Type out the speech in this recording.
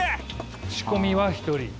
仕込みは一人？